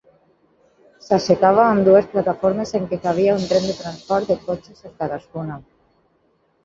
S'aixecava amb dues plataformes en què cabia un tren de transport de cotxes en cadascuna.